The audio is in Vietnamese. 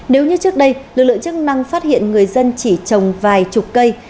nếu như trước đây lực lượng chức năng phát hiện người dân chỉ trồng vài chục cây